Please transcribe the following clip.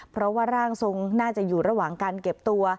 เพราะว่าร่างทรงน่าจะอยู่ระหว่างการเก็บตัว